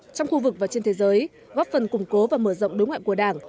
trong khu vực và trên thế giới góp phần củng cố và mở rộng đối ngoại của đảng